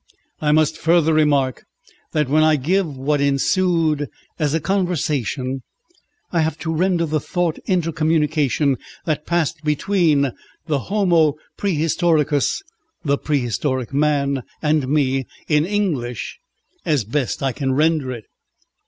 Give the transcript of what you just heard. I must further remark that when I give what ensued as a conversation, I have to render the thought intercommunication that passed between the Homo Præhistoricus the prehistoric man and me, in English as best I can render it.